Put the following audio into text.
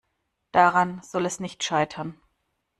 Daran soll es nicht scheitern.